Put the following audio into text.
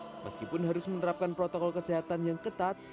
meskipun harus menerapkan protokol kesehatan yang ketat